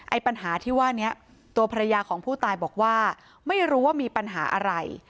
ปัญหาที่ว่านี้ตัวภรรยาของผู้ตายบอกว่าไม่รู้ว่ามีปัญหาอะไร